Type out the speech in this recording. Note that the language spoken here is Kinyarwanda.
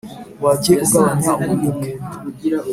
Wagiye ugabanya ubune bwe